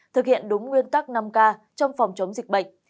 thực hiện đúng nguyên tắc năm k trong phòng chống dịch bệnh